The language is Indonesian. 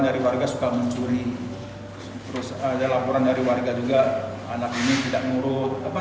dari warga suka mencuri terus ada laporan dari warga juga anak ini tidak nguruk apa